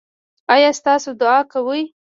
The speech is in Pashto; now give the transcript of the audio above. ایا تاسو دعا کوئ؟